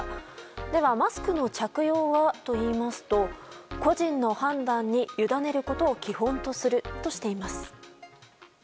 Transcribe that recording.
ではマスクの着用はといいますと個人の判断に委ねることを基本とするとしています。